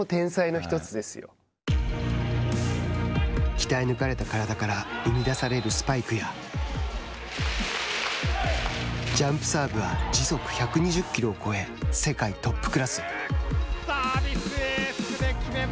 鍛え抜かれた体から生み出されるスパイクやジャンプサーブは時速１２０キロを超え世界トップクラス。